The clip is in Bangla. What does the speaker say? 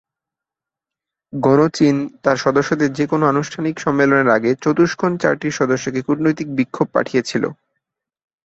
গণচীন তার সদস্যদের যে কোনও আনুষ্ঠানিক সম্মেলনের আগে চতুষ্কোণ চারটির সদস্যকে কূটনৈতিক বিক্ষোভ পাঠিয়েছিল।